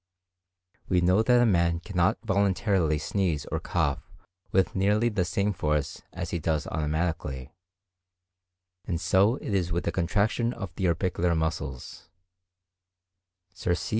We know that a man cannot voluntarily sneeze or cough with nearly the same force as he does automatically; and so it is with the contraction of the orbicular muscles: Sir C.